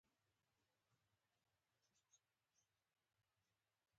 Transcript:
د بیان ازادي مهمه ده ځکه چې د خلکو حقونه پیاوړي کوي.